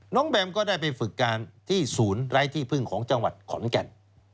แบมก็ได้ไปฝึกการที่ศูนย์ไร้ที่พึ่งของจังหวัดขอนแก่น